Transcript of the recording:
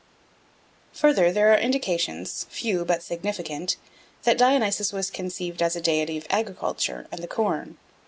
Further, there are indications, few but significant, that Dionysus was conceived as a deity of agriculture and the corn.